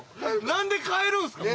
何で変えるんすか？